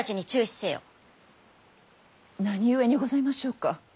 何故にございましょうか。